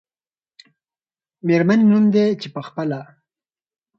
میرمنې نوم دی، چې په خپله